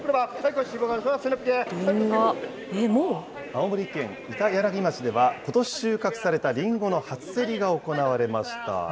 青森県板柳町では、ことし収穫されたりんごの初競りが行われました。